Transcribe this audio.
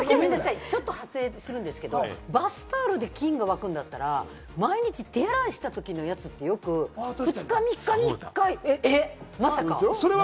発生するんですけど、バスタオルで菌がわくんだったら、毎日手洗いした時のやつって、よく２日３日に一回。